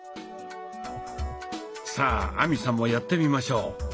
さあ亜美さんもやってみましょう。